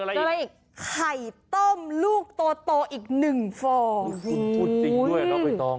เจออะไรอีกไข่ต้มลูกโตโตอีกหนึ่งฟอคุณคุณจริงด้วยน้องไปต้อง